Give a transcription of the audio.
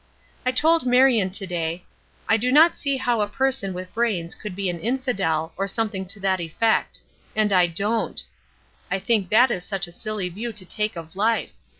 "I told Marion to day 'I did not see how a person with brains could be an infidel,' or something to that effect and I don't. I think that is such a silly view to take of life.